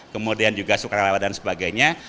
kemudian juga sukarelawa dan sebagainya